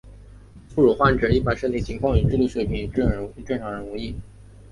副乳患者一般身体情况和智力水平与正常人无异。